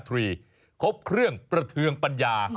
ครบเครื่องประเทืองปัญญา